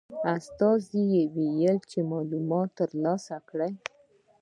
استازي ته وویل چې معلومات ترلاسه کړي.